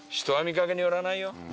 人は見掛けによらないよ。